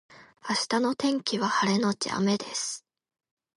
明日の天気は晴れのち雨です